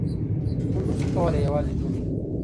مونږ نسو کولای یوازې ژوند وکړو.